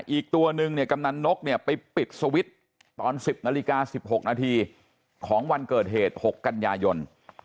อีกตัวนึงเนี่ยกำนันนกเนี่ยไปปิดสวิตช์ตอน๑๐นาฬิกา๑๖นาทีของวันเกิดเหตุ๖กันยายน